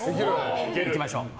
いきましょう。